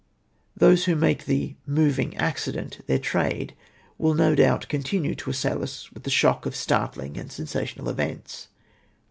Those who make the 'moving accident' their trade will no doubt continue to assail us with the shock of startling and sensational events.